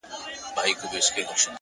ټول بکواسیات دي-